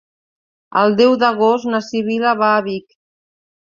El deu d'agost na Sibil·la va a Vic.